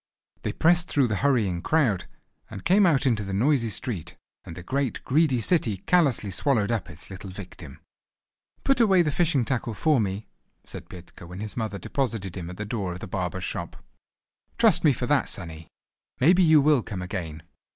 They pressed through the hurrying crowd, and came out into the noisy street; and the great, greedy city callously swallowed up its little victim. "Put away the fishing tackle for me," said Petka, when his mother deposited him at the door of the barber's shop. "Trust me for that, sonny! Maybe you will come again."